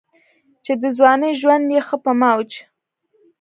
چې دَځوانۍ ژوند ئې ښۀ پۀ موج